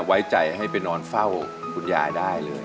ไว้ใจให้ไปนอนเฝ้าคุณยายได้เลย